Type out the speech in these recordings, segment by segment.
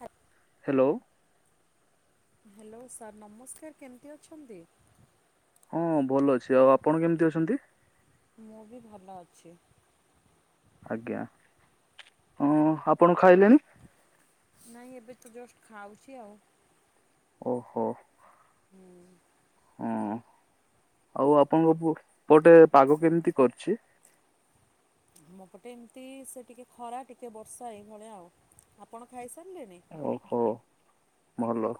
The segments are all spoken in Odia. ହାତ୍ ହାଲୋ। ହାଲୋ ସାର୍ ନମସ୍କାର, କେମିତି ଅଛନ୍ତି? ହଁ ଭଲ ଅଛି, ଆଉ ଆପଣ କେମିତି ଅଛନ୍ତି? ମୁଁ ବି ଭଲ ଅଛି। ଆଜ୍ଞା, ହଁ ଆପଣ ଖାଇଲେଣି? ନାଇଁ ଏବେ ତ ଜଷ୍ଟ ଖାଉଚି ଆଉ। ଓହୋ। ହୁଁ। ହଁ, ଆଉ ଆପଣଙ୍କ ପୁ ପଟେ ପାଗ କେମିତି କରିଚି? ଆମ ପଟେ ଏମିତି, ସେ ଟିକେ ଖରା, ଟିକେ ବର୍ଷା ଏଇଭଳିଆ ଆଉ। ଆପଣ ଖାଇସାରିଲେନି? ଓହୋ, ଭଲ।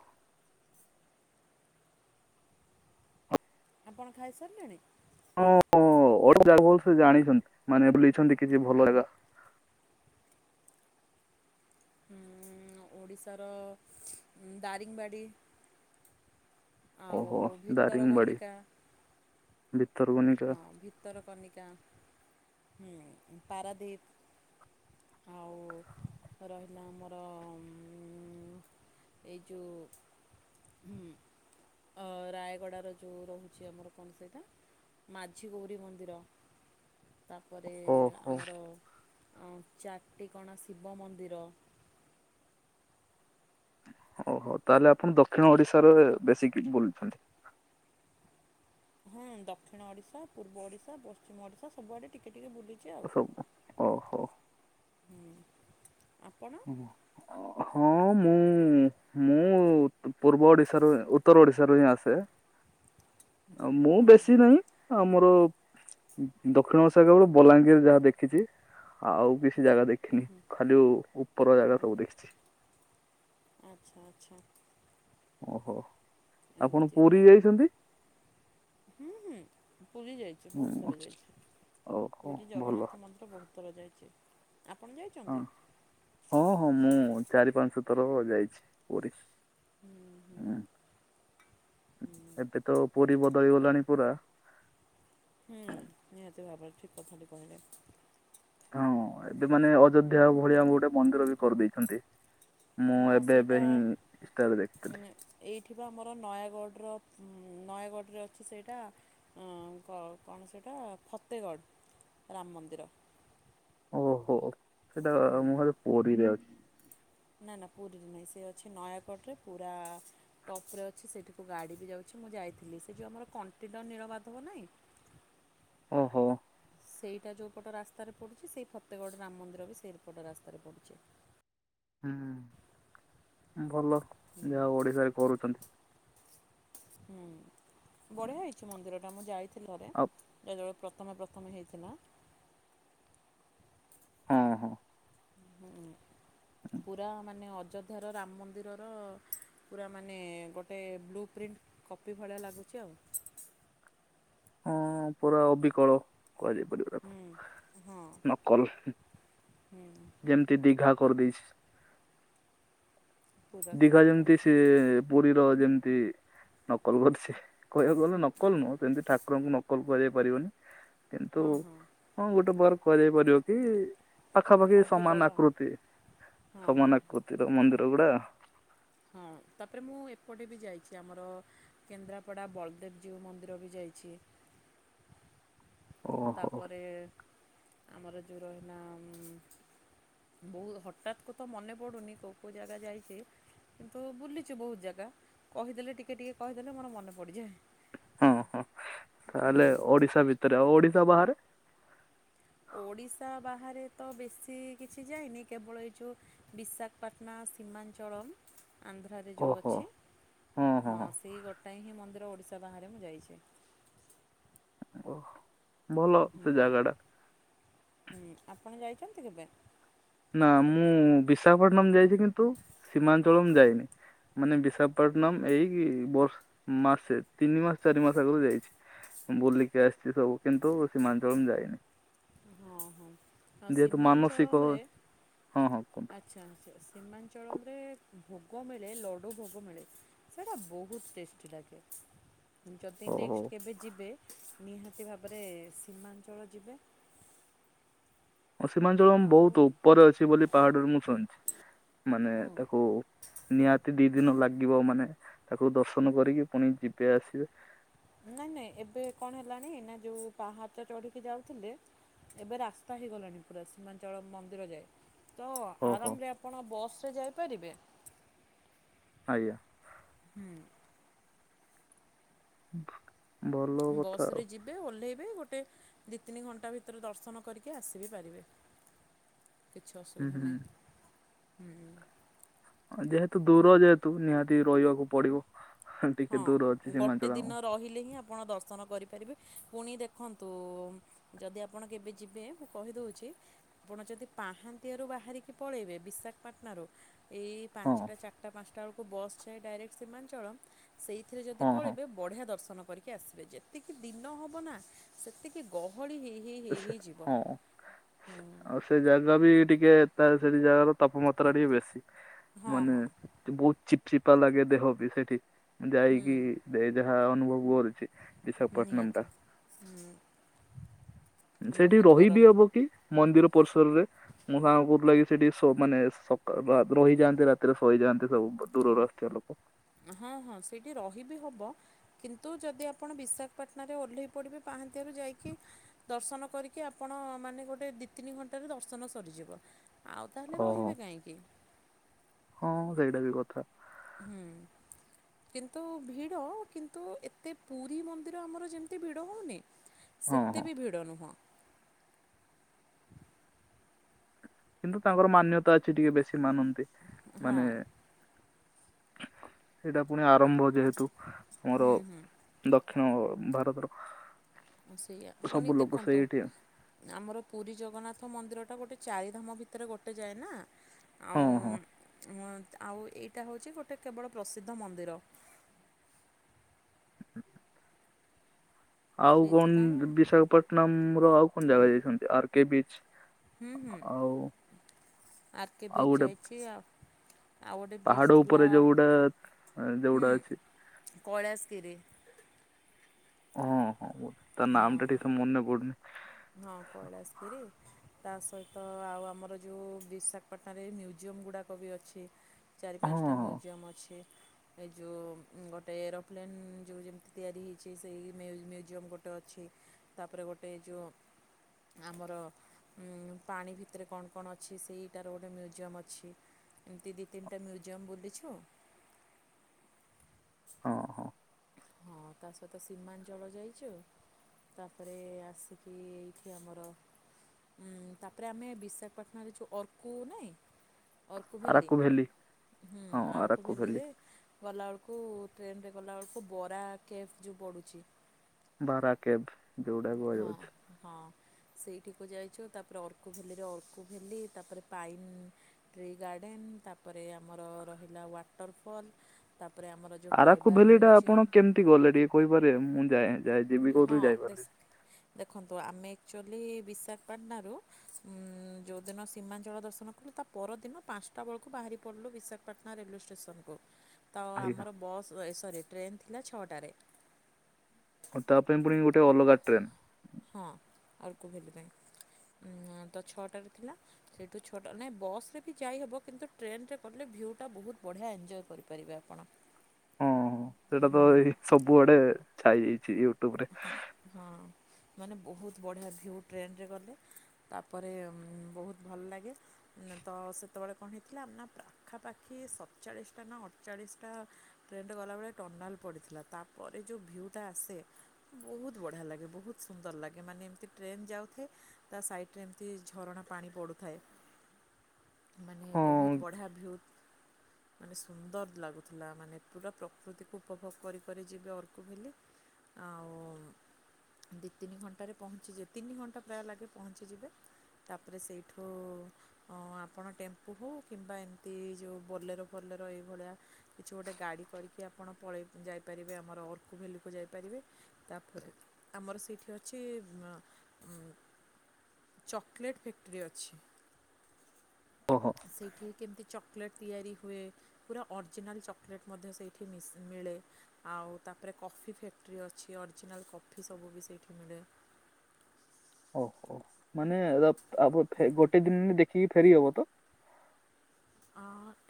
ଆପଣ ଖାଇସାରିଲେଣି। ହଁ ହଁ, ଅଜା କୁ ସେ ଜାଣିଛନ୍ତି, ମାନେ ବୁଲେଇଛନ୍ତି କିଛି ଭଲ ଜାଗା। ହୁଁ, ଓଡ଼ିଶାର ଦାରିଙ୍ଗବାଡ଼ି ଆଉ ଓହୋ ଦାରିଙ୍ଗବାଡି ଭିତରକନିକା ହଁ ଭିତରକନିକା ଭିତରକନିକା, ହୁଁ, ପାରାଦୀପ୍। ଆଉ ରହିଲା ଆମର ଏଇ ଯୋଉ ହୁଁ, ରାୟଗଡ଼ାର ଯୋଉ ରହୁଛି ଆମର କଣ ସେଇଟା? ମାଝି ଗୌରୀ ମନ୍ଦିର, ତାପରେ ଓହୋ ଆମର ଚାଟିକଣା ଶିବ ମନ୍ଦିର। ଓ ହୋ, ତାହେଲେ ଆପଣ ଦକ୍ଷିଣ ଓଡିଶାରେ ବେଶୀକ୍ କିଛି ବୁଲୁଚନ୍ତି। ହଁ ଦକ୍ଷିଣ ଓଡିଶା, ପୂର୍ବ ଓଡିଶା, ପଶ୍ଚିମ ଓଡିଶା ସବୁଆଡେ ଟିକେ ଟିକେ ବୁଲି ତି ଆଉ, ସବୁ ଓହୋ ହୁଁ, ଆପଣ ହଁ, ମୁଁ ମୁଁ ପୂର୍ବ ଓଡିଶାରୁ ଉତ୍ତର ଓଡିଶାରୁ ହିଁ ଆସେ। ମୁଁ ହଁ ବେଶୀ ନାହିଁ ଆମର ଦକ୍ଷିଣ ଓଡିଶା କେବଳ ବଲାଙ୍ଗୀର ଯାହା ଦେଖିଛି ଆଉ କିଛି ଜାଗା ଦେଖି ଦେଖିନି ଖାଲି ଉପର ଜାଗା ସବୁ ଦେଖିଛି। ଆଚ୍ଛା ଆଚ୍ଛା। ଓହୋ ଆପଣ ଏମିତି ନା ପୁରୀ ଯାଇଛନ୍ତି? ହୁଁ ହୁଁ ପୁରୀ ଯାଇଛି। ବହୁତ ହୁଁ ଭଲ ଯାଇଛି ଓହୋ ପୁରି ଭଲ ଜଗନ୍ନାଥ ମନ୍ଦିର ବହୁତ ଥର ଯାଇଛି ଆପଣ ହଁ ଯାଇଛନ୍ତି। ହଁ ହଁ ମୁଁ ଚାରି ପାଞ୍ଚ ଥର ଯାଇଛି ପୁରୀ। ହୁଁ ହୁଁ ହୁଁ ଏବେ ତ ପୁରୀ ବଦଳି ଗଲାଣି ପୁରା। ହୁଁ ନିହାତି ଭାବରେ ଠିକ୍ କଥାଟି କହିଲେ। ହଁ ଏବେ ମାନେ ଅଯୋଧ୍ୟା ଭଳିଆ ଆମ ଗୋଟେ ମନ୍ଦିର ବି କରିଦେଇଛନ୍ତି। ମୁଁ ହଁ ଏବେ ଏବେ ହିଁ ଇନଷ୍ଟାରେ ଦେଖିଥିଲି। ଏଇଠିବା ଆମର ନୟାଗଡ଼ର ନୟାଗଡ଼ରେ ଅଛି ସେଇଟା। କଣ ସେଇଟା ଫତେଗଡ଼ ରାମ ମନ୍ଦିର ଓହୋ ସେଇଟା ମୁଁ ଭାବେ ପୁରୀରେ ଅଛି। ନା ନା ପୁରୀରେ ନାହିଁ ସେ ଅଛି ନୟାଗଡ଼ରେ ପୁରା ଟପରେ ଅଛି ସେଇଠିକୁ ଗାଡ଼ି ବି ଯାଉଛି ମୁଁ ଯାଇଥିଲି ସେ ଯେଉଁ ଆମର କଣ୍ଟେଲୋ ନୀଳମାଧବ ନାହିଁ। ଓହୋ ସେଇଟା ଯୋଉପଟ ରାସ୍ତାରେ ପଡ଼ୁଛି ସେଇ ଫତେଗଡ଼ ରାମ ମନ୍ଦିର ବି ସେଇପଟ ରାସ୍ତାରେ ପଡ଼ୁଛି। ହୁଁ ଭଲ ଯାହା ଓଡିଶାରେ କରୁଛନ୍ତି। ହୁଁ ବଢିଆ ହେଇଛି ମନ୍ଦିର ଟା ମୁଁ ଯାଇଥିଲି ଥରେ। ଆଉ ଯେ [inaudible] ପ୍ରଥମେ ପ୍ରଥମେ ହେଇଥିଲା। ହଁ ହଁ ପୁରା ମାନେ ଅଯ ଧର ରାମ ମନ୍ଦିରର ପୁରା ମାନେ ଗୋଟେ ବ୍ଲୁ ପ୍ରିଣ୍ଟ୍ କପି ଭଳିଆ ଲାଗୁଛି ଆଉ ହଁ ପୁରା ଅବିକଳ କୁହାଯାଇ ପାରିବ। ହୁଁ ହଁ ନକଲ ହୁଁ ଯେମିତି ଦିଘା କରିଦେଇଛି। ପୁରା ଦିଘା ସେମିତି ଯେମତି ଲାଗୁଛି ସେ ପୁରୀର ଯେମିତି ନକଲ କରିଛି। କହିବାକୁ ଗଲେ ନକଲ ନୁହଁ ସେମିତି ଠାକୁରଙ୍କୁ ନକଲ କୁହାଯାଇ ପାରିବନି କିନ୍ତୁ ହଁ ଗୋଟେ ପ୍ରକାର କୁହାଯାଇ ପାରିବ କି ପାଖାପାଖି ଅବିକଳ ସମାନ ଆକୃତି ହଁ ହଁ ସମାନ ଆକୃତିର ମନ୍ଦିର ଗୁଡା ହଁ ତାପରେ ମୁଁ ଏପଟେ ବି ଯାଇଛି ଆମର କେନ୍ଦ୍ରାପଡ଼ା ବଳଦେବଜୀଉ ମନ୍ଦିର ବି ଯାଇଛି। ଓହୋ ତାପରେ ଆମର ଯେଉଁ ରହୀଲା। ବହୁତ ହଠାତକୁ ତ ମନେ ପଡୁନି କୋଉ କୋଉ ଜାଗା ଯାଇଛି। କିନ୍ତୁ ବୁଲିଛି ବହୁତ ଜାଗା କହିଦେଲେ ଟିକେ ଟିକେ କହିଦେଲେ ମୋର ମନେ ପଡ଼ିଯାଏ। ହଁ ହଁ ତାହେଲେ ଓଡିଶା ଭିତରେ ଆଉ ଓଡିଶା ବାହାରେ? ଓଡ଼ିଶା ବାହାରେ ତ ବେଶୀ କିଛି ଯାଇନି କେବଳ ଏଇ ଯୋଉ ବିଶାଖପାଟନା ସୀମାଞ୍ଚଳମ୍ ଆନ୍ଧ୍ର ସେଠାରେ ଯେଉଁ ଓହୋ ଅଛି ହଁ ସେଇ ଗୋଟାଏ ହିଁ ମନ୍ଦିର ଓଡ଼ିଶା ବାହାରେ ମୁଁ ଯାଇଛି। ଓ ଭଲ ସେ ଜାଗା ଟା। ହୁଁ, ଆପଣ ଯାଇଛନ୍ତି କେବେ? ନା ମୁଁ ବିଶାଖପଟନମ୍ ଯାଇଛି କିନ୍ତୁ ସୀମାଞ୍ଚଳ ମୁଁ ଯାଇନି, ମାନେ ବିଶାଖ୍ ପଟନମ୍ ଏଇ ବର୍ଷ ମାସେ ତିନି ମାସ ଚାରି ମାସ ଆଗରୁ ଯାଇଛି। ବୁଲିକି ଆସିଛି ସବୁ। କିନ୍ତୁ ସୀମାଞ୍ଚଳମ୍ ଯାଇନି। ହଁ, ହଁ ତ ଯେହେତୁ ମାନସିକ ସୀମାଞ୍ଚଳମ୍ ରେ ହଁ ହଁ। କୁହନ୍ତୁ। ଆଚ୍ଛା, ଆଚ୍ଛା, କୁ- ସୀମାଞ୍ଚଳମରେ ଭୋଗ ମିଳେ, ଲଡୁ ଭୋଗ ମିଳେ, ସେଇଟା ବହୁତ ଟେଷ୍ଟି ଲାଗେ। ଯଦି ହଉ ହଉ ନେକ୍ସଟ୍ କେବେ ଯିବେ? ନିହାତି ଭାବରେ ସୀମାଞ୍ଚଳ ଯିବେ। ହଁ ସୀମାଞ୍ଚଳମ୍ ଆଉ ବହୁତ ଉପରେ ଅଛି, ବୋଲି ପାହାଡରୁ ମୁଁ ଶୁଣିଛି। ମାନେ ହଁ ତାକୁ ନିହାତି ଦି ଦିନ ଲାଗିବ, ମାନେ ତାକୁ ଦର୍ଶନ କରିକି ପୁଣି ଯିବେ ଆସିବେ। ନାଇଁ ନାଇଁ ଏବେ କଣ ହେଲାଣି ନା, ଯୋଉ ପାହାଚ ଚଢ଼ିକି ଯାଉଥିଲେ। ଏବେ ରାସ୍ତା ହେଇଗଲାଣି ପୁରା, ସୀମାଞ୍ଚଳମ୍ ମନ୍ଦିର ଯାଏ। ତ ହଉ ହଉ। ଆରାମରେ ଆପଣ ବସ୍ ରେ ଯାଇପାରିବେ। ଆଜ୍ଞା। ହୁଁ। ଭୂହ୍। ବସ୍ ରେ ଯିବ୍ ଯିବେ, ଓହ୍ଲେଇବେ, ଗୋଟେ ଦି ତିନି ଘଣ୍ଟା ଭିତରେ ଦର୍ଶନ କରିକି ଆସିବି ପାରିବେ। କିଛି ହୁଁ ଅସୁବିଧା ନାହିଁ, ହୁଁ ହୁଁ। ଯେହେତୁ ଦୂର ଯେହେତୁ, ନିହାତି ରହିବାକୁ ପଡ଼ିବ। ହଁ, ଗୋଟେ ଦିନ ରହିଲେ ହିଁ ଆପଣ ଦର୍ଶନ କରିପାରିବେ। ପୁଣି ଦେଖନ୍ତୁ-ଉ ଯଦି ଆପଣ କେବେ ଯିବେ? ମୁଁ କହିଦଉଛି। ଆପଣ ଯଦି ପାହାନ୍ତିଆରୁ ବାହାରିକି ପଳେଇବେ ବିଶାଖାପାଟନାରୁ ଏଇ ହଁ ପାଞ୍ଚଟା ଚାରିଟା ପାଞ୍ଚଟା ବେଳକୁ ବସ୍ ଯାଏ ଡାଇରେକ୍ଟ ସୀମାଞ୍ଚଳମ୍ ସେଇଥିରେ ଯଦି ହଁ ହଁ ପଳେଇବେ ବଢ଼ିଆ ଦର୍ଶନ କରିକି ଆସିବେ, ଯେତିକି ଦିନ ହବ ନା ସେତିକି ଗହଳି ହେଇ ହେ ହେଇ ହେଇ ସେ ହେଇ ଯିବ, ହଁ ହୁଁ। ଆଉ ସେ ଜାଗା ବି ଟିକେ ତାର ସେଠି ଜାଗାର ତାପମାତ୍ରା ଟିକେ ବେଶୀ, ହଁ ମାନେ ହଁ ବହୁତ ଚିପ୍ ଚିପା ଲାଗେ ଦେହ ବି ସେଠି ମୁଁ ଯାଇକି ଦେ ଯାହା ଅନୁଭବ କରୁଛି। ବିଶାଖାପଟନମ ଟା ନିହାତି ହୁଁ। ସେଠି ରହିବିି ହବକି ମନ୍ଦିର ପରିସରରେ? ମୁଁ ସାଙ୍ଗ କହିଥିଲା କି ସେଠି ଶ -ମାନେ ସକା ର -ରହିଯାଆନ୍ତି ରାତିରେ ଶୋଇଯାଆନ୍ତି ସବୁ ଦୂରରୁ ଆସଥିବା ଲୋକ। ହଁ, ହଁ ସେଇଠି ରହିବି ହବ। କିନ୍ତୁ ଯଦି ଆପଣ ବିଶାଖାପାଟଣାରେ ଓହ୍ଲେଇ ପଡ଼ିବେ ପାହାନ୍ତିଆରୁ ଯାଇକି। ଦର୍ଶନ କରିକି ଆପଣ ମାନେ ଗୋଟେ ଦି ତିନି ଘଣ୍ଟାରେ ଦର୍ଶନ ସରିଯିବ। ଆଉ ତାହେଲେ ଓହୋ ରହିବେ କାହିଁକି? ହଁ ସେଇଟା ବି କଥା। ହୁଁ। କିନ୍ତୁ ଭିଡ଼ କିନ୍ତୁ ଏତେ ପୁରୀ ମନ୍ଦିର ଆମର ଯେମତି ଭିଡ଼ ହଉନି! ହଁ ସେତେ ହଁ ବି ଭିଡ଼ ନୁହଁ। କିନ୍ତୁ ତାଙ୍କର ମାନ୍ୟତା ଅଛି ଟିକେ ବେଶୀ ମାନନ୍ତି। ହଁ ମାନେ ସେଇଟା ପୁଣି ଆରମ୍ଭ ଯେହେତୁ ଆମର ଦକ୍ଷିଣ ଭାରତର। ସେଇଆ ପୁଣି ସବୁ ଲୋକ ଦେଖନ୍ତୁ ସେଇଠି ଆମର ପୁରୀ ଜଗନ୍ନାଥ ମନ୍ଦିରଟା ଗୋଟେ ଚାରିଧାମ ଭିତରେ ଗୋଟେ ଯାଏ ନା। ହଁ ଆଉ ହଁ ଉଁ ଆଉ ଏଇଟା ହେଉଛି ଗୋଟେ କେବଳ ପ୍ରସିଦ୍ଧ ମନ୍ଦିର। ହ [inaudible] ଆଉ ସେଇଥିପାଇଁ କଣ ବିଶାଖାପଟନମ ର ଆଉ କଣ ଜାଗା ଯାଇଛନ୍ତି ଆର କେ ବିଚ ହଁ ହୁଁ ଆର କେ ଆଉ ବିଚ ଗୋଟେ ଯାଇଛି ଆଉ ଆଉ ଗୋଟେ ବିଚ ପାହାଡ ଥିଲା ଉପରେ ଯୋଉଟା ଯୋଉଟା ହୁଁ ଅଛି କୈଳାଶଗିରି। ହଁ ହଁ ତା ହଁ ନାମ ଟା ଠିକ ସେ ମନେ ପଡ଼ୁନି। ହଁ କୈଳାଶ ଗିରି ତା ସହିତ ଆଉ ଆମର ଜଉ ବିଶାଖ ପାଟଣାରେ ମ୍ୟୁଜିୟମ୍ ଗୁଡ଼ାକ ବି ଅଛି ଚାରି ହଁ ପାଞ୍ଚଟା ହଁ ମ୍ୟୁଜିୟମ୍ ଅଛି। ଏ ଯେଉଁ ଗୋଟେ ଏରୋପ୍ଲେନ୍ ଯେଉଁ ଯେମିତି ତିଆରି ହେଇଛି ସେଇ ମେଲ୍ ମ୍ୟୁଜିୟମ୍ ଗୋଟେ ଟ ଅଛି ତାପରେ ଗୋଟେ ଏଇ ଯଉ ଆମର ପାଣି ଭିତରେ କଣ କଣ ଅଛି ସେଇଟାର ଗୋଟେ ମ୍ୟୁଜିୟମ୍ ଅଛି। ଏମିତି ଦି ତିନଟା ମ୍ୟୁଜଜିୟମ୍ ବୁଲିଛୁ। ହଁ ହଁ। ହଁ ତା ସହିତ ସିମାଞ୍ଚଳ ଯାଇଛୁ। ତାପରେ ଆସିକି ଏଇଠି ଆମର ଉଁ ତାପରେ ଆମେ ବିଶାଖାପାଟଣାରେ ଯୋଉ ଅର୍କୁ ନାଇଁ ଅର୍କୁ ଭେଲି ଆରାକୁ ଭ୍ୟାଲି ହୁଁ ହଁ ଆରକୁ ଆରାକୁ ଭ୍ୟାଲି ଭେଲିରେ ଗଲାବେେଳକୁ ଟ୍ରେନରେ ଗଲାବେଳକୁ ବରା କେଫ୍ ଯେଉଁ ପଡ଼ୁଛି ବାରା କେବ ଯଉଟା ବି ବଇ ହଁ ଯାଉଛି। ହଁ ସେଇଠିକୁ ଯାଇଛୁ ତାପରେ ଅର୍କୁ ଭେଲିରେ ଅର୍କୁ ଭେଲି ତାପରେ ପାଇନ୍ ଟ୍ରି ଗାର୍ଡେନ ତାପରେ ଆମର ରହିଲା ୱାଟର ଫଲ ତାପରେ ଆମର ଯଉ ଆରାକୁ ଟ୍ରାଇବଲ ଭ୍ୟାଲି ଟା ମ୍ୟୁଜ୍ ଆପଣ କେମିତି ଗଲେ ଟିକେ କହିପାରିବେ ମୁଁ ଯାଏ ଯାଏ ଯିବି ହଁ କହୁଥିଲି ଦେଶ ଯାଇପାରିଲିନି। ଦେଖନ୍ତୁ ଆମେ ଆକ୍ଚୁଆଲି ବିଶାଖାପାଟଣାରୁ ଯେଉଁଦିନ ସୀମାଞ୍ଚଳ ଦର୍ଶନ କଲୁ ତା ପରଦିନ ପାଞ୍ଚଟା ବେଳକୁ ବାହାରି ପଡ଼ିଲୁ ବିଶାଖା ପାଟଣା ରେଲୱେ ଷ୍ଟେସନକୁ ତ ଆଜ୍ଞା ଆମର ବସ୍ ଏ ସରି ଟ୍ରେନ୍ ଥିଲା ଛଅଟାରେ। ଆଉ ତା ପାଇଁ ପୁଣି ଗୋଟେ ଅଲଗା ଟ୍ରେନ ହଁ ଆର୍ କେଉ ଭଲ ପାଇଁ ତ ଛଅଟାରେ ଥିଲା। ସେଇଠୁ ଛୋଟ ନାଇଁ ବସ୍ ରେ ବି ଯାଇହେବ କିନ୍ତୁ ଟ୍ରେନରେ କଲେ ଭିଉଟା ବହୁତ ବଢ଼ିଆ ଏଞ୍ଜୟ କରିପାରିବେ ଆପଣ। ହଁ ହଁ ସେଇଟା ତ ଏଇ ସବୁଆଡେ ଛାଇଯଇଛି ୟୁଟ୍ୟୁବ ରେ ହଁ। ମାନେ ବହୁତ ବଢ଼ିଆ ଭିଉ ଟ୍ରେନରେ ଗଲେ ତାପରେ ବହୁତ ଭଲ ଲାଗେ। ତ ସେତେବେଳେ କଣ ହେଇଥିଲା ନା ପାଖାପାଖି ସତଚାଳିଶଟା ନା ଅଠଚାଳିଶଟା ଟ୍ରେନଟା ଗଲାବେଳେ ଟର୍ନାଲ ପଡିଥିଲା ତାପରେ ଯୋଉ ଭିୟୁଟା ଆସେ ବହୁତ ବଢ଼ିଆ ଲାଗେ ବହୁତ ସୁନ୍ଦର ଲାଗେ ମାନେ ଏମିତି ଟ୍ରେନ ଯାଉଥାଏ ତା ସାଇଟରେ ଏମିତି ଝରଣା ପାଣି ପଡ଼ୁଥାଏ। ମାନେ ହଁ ବହୁତ ବଢ଼ିଆ ଭିଉ ମାନେ ସୁନ୍ଦର ଲାଗୁଥିଲା ମାନେ ପୁରା ପ୍ରକୃତିକୁ ଉପଭୋଗ କରି କରି ଯିବେ ଅର୍କୁ ଭେଲି ଆଉ ଦୁଇ ତିନି ଘଣ୍ଟାରେ ପହଞ୍ଚିଯିବ ତିନି ଘଣ୍ଟା ପ୍ରାୟ ଲାଗେ ପହଞ୍ଚିଯିବେ। ତାପରେ ସେଇଠୁ ହଁ ଆପଣ ଟେମ୍ପୁ ହଉ କିମ୍ବା ଏମିତି ଯେଉ ବୋଲେର ଫୋଲେର ଏଇଭଳିଆ କିଛି ଗୋଟେ ଗାଡ଼ି କରିକି ଆପଣ ପଳେଇ ଯାଇପାରିବେ ଆମର ଅର୍କୁ ଭ୍ୟାଲିକୁ ଯାଇପାରିବେ। ତାପରେ ଆମର ସେଇଠି ଅଛି ଉଁ ମ୍ ଉଁ ଚକଲେଟ ଫ୍ୟାକ୍ଟରି ଅଛି। ଓହୋ ସେଠି କେମିତି ଚକଲେଟ୍ ତିଆରି ହୁଏ? ପୁରା ଅରିଜିନାଲ୍ ଚକଲେଟ୍ ମଧ୍ୟ ସେଇଠି ମିଶ-ମିଳେ। ଆଉ ତାପରେ କଫି ଫ୍ୟାକ୍ଟ୍ରି ଅଛି। ଅରିଜିନାଲ୍ କଫି ସବୁ ବି ସେଇଠି ମିଳେ। ଓହୋ। ମାନେ ଆ-ଫ ଗୋଟେ ଦିନ ଦେଖିକି ଫେରି ହବ ତ? ଅ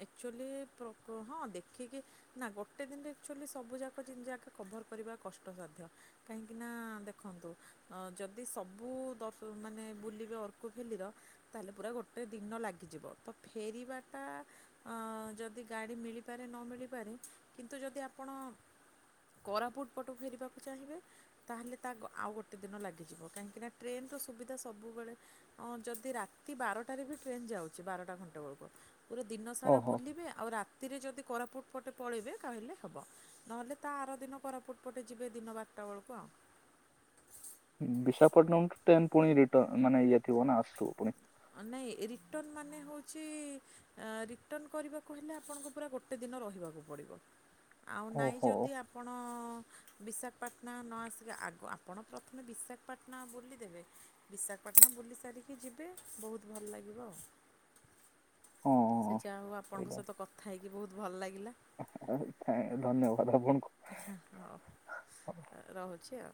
ଆକ୍ଚୁଆଲି ପ୍ର-ପ ହଁ ଦେଖିକି ନା ଗୋଟେ ଦିନରେ ଆକ୍ଚୁଆଲି ସବୁ ଯାକ ଜିନି ଯାକ କଭର କରିବା କଷ୍ଟସାଧ୍ୟ। କାହିଁକି ନା ଦେଖନ୍ତୁ ଅ ଯଦି ସବୁ ଦ-ମାନେ ବୁଲିବେ ଅର୍କୁ ଭେଲିର ତାହେଲେ ପୁରା ଗୋଟେ ଦିନ ଲାଗିଯିବ। ତ ଫେରିବା ଟା ଯଦି ଗାଡ଼ି ମିଳିପାରେ ନ ମିଳିପାରେ, କିନ୍ତୁ ଯଦି ଆପଣ କରାପୁଟ ପଟକୁ ଫେରିବାକୁ ଚାହିଁବେ ତାହେଲେ ତା ଗ-ଆଉ ଗୋଟେ ଦିନ ଲାଗିଯିବ। କାହିଁକିନା ଟ୍ରେନର ସୁବିଧା ସବୁବେଳେ। ଅଁ ଯଦି ରାତି ବାରଟାରେ ବି ଟ୍ରେନ୍ ଯାଉଛି, ବାରଟା ଘଣ୍ଟେ ବେଳକୁ। ପୁରା ଦିନ ସାରା ଓହୋ ବୁଲିବେ, ଆଉ ରାତିରେ ଯଦି କୋରାପୁଟ ପଟେ ପଳେଇବେ, ତାହେଲେ ହବ। ନହେଲେ ତା ଆର ଦିନ କୋରାପୁଟ ପଟେ ଯିବେ ଦିନ ବାରଟା ବେଳକୁ ଆଉ। ବିଶାଖପଟନମ୍ ଠୁ ଟ୍ରେନ ପୁଣି ରିଟର୍ଣ ମାନେ ଇଏ ଥିବ ନା ଆସଥିବ ପୁଣି। ନାଇଁ ରିଟର୍ନ ମାନେ ହୋଉଛି ଆଁ ରିଟର୍ନ କରିବାକୁ ହେଲେ ଆପଣଙ୍କୁ ପୁରା ଗୋଟେ ଦିନ ରହିବାକୁ ପଡିବ। ଆଉ ନାଇଁ ଓହୋ ଯଦି ଆପ୍ ଆପଣ ବିଶାଖାପାଟଣା ନ ଆସିକି ଆଗ ଆପଣ ପ୍ରଥମେ ବିଶାଖାପାଟଣା ବୁଲିଦେବେ। ବିଶାଖପାଟନା ବୁଲି ସାରିକି ଯିବେ ବହୁତ ଭଲ ଲାଗିବ ଆଉ। ହଁ ହଁ ସେ ଯାହା ହଉ ଆପଣଙ୍କ ସହିତ କଥା ଥା ହେଇକି ବହୁତ ଭଲ ଲାଗିଲା। ଥା-ଧନ୍ୟବାଦ ଆପଣଙ୍କୁ। ହଉ ରହୁଛି ଆଉ।